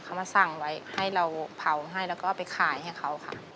เขามาสั่งไว้ให้เราเผาให้แล้วก็ไปขายให้เขาค่ะ